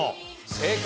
正解。